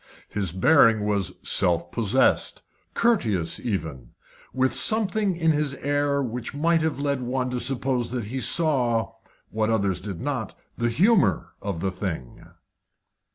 His bearing was self possessed, courteous even, yet with something in his air which might have led one to suppose that he saw what others did not the humour of the thing.